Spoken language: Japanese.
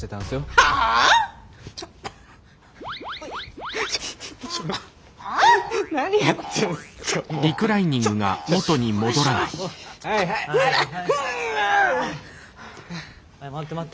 はい回って回って。